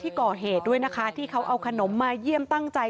ก่อเหตุด้วยนะคะที่เขาเอาขนมมาเยี่ยมตั้งใจ